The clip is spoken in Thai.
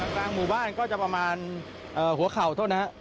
กลางหมู่บ้านก็จะประมาณหัวเข่าเท่านั้น